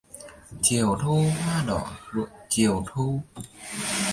Chiều thu hoa đỏ rụng chiều thu